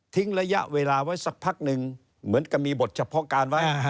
ระยะเวลาไว้สักพักหนึ่งเหมือนกับมีบทเฉพาะการไว้